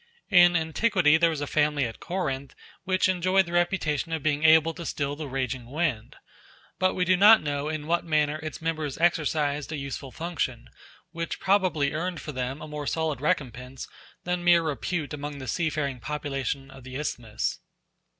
In antiquity there was a family at Corinth which enjoyed the reputation of being able to still the raging wind; but we do not know in what manner its members exercised a useful function, which probably earned for them a more solid recompense than mere repute among the seafaring population of the isthmus.